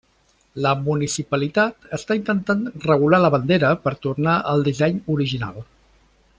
La municipalitat està intentant regular la bandera per tornar al disseny original.